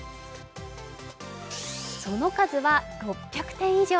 その数は６００点以上。